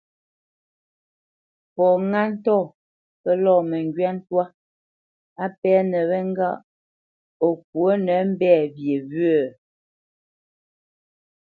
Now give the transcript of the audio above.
Fɔ ŋâ ntɔ̂ pə́ lɔ̂ məngywá ntwá á pɛ́nə wé ŋgâʼ o ŋkwǒ nə mbɛ̂ wye wyə̂?